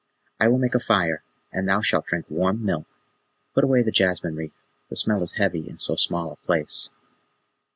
"I will make a fire, and thou shalt drink warm milk. Put away the jasmine wreath: the smell is heavy in so small a place."